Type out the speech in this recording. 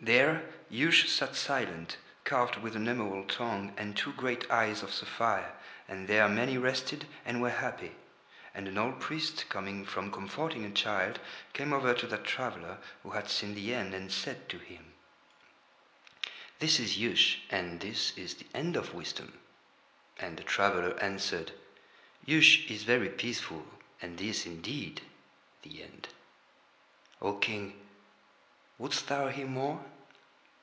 There Yush sat silent, carved with an emerald tongue and two great eyes of sapphire, and there many rested and were happy. And an old priest, coming from comforting a child, came over to that traveller who had seen the End and said to him: "This is Yush and this is the End of wisdom." And the traveller answered: "Yush is very peaceful and this indeed the End." "O King, wouldst thou hear more?"